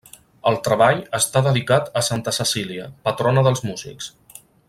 El treball està dedicat a Santa Cecília, patrona dels músics.